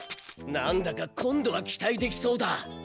なんだか今度は期待できそうだ！